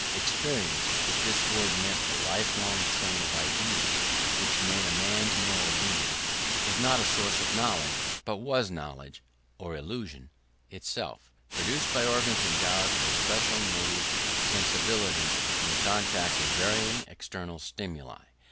Experience if this word meant the lifelong train of ideas which made a man's moral being was not a source of knowledge but was knowledge (or illusion) itself, produced by organs endowed with a special native sensibility in contact with varying external stimuli.